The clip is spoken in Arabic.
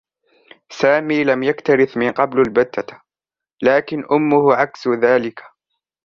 سامي لم يكترث من قَبْلُ البتة، لكن أمه عكس ذلك.